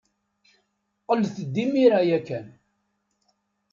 Qqlet-d imir-a ya kan.